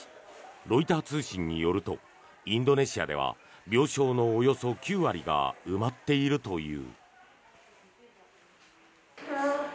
ロイター通信によるとインドネシアでは病床のおよそ９割が埋まっているという。